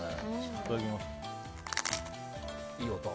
いただきます。